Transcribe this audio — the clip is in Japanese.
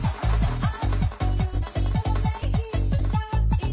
あっ！